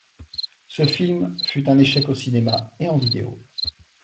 Ce film fut un échec au cinéma et en vidéo.